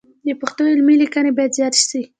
د پښتو علمي لیکنې باید زیاتې سي.